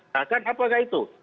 nah kan apakah itu